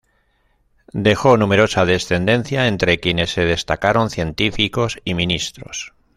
Dejó numerosa descendencia, entre quienes se destacaron científicos y ministros.